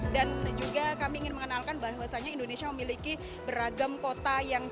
dan juga kami ingin mengenalkan bahwasanya indonesia memiliki beragam kota yang cantik